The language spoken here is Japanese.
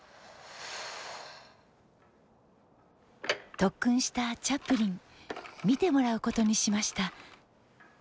特訓したチャップリン見てもらうことにしました。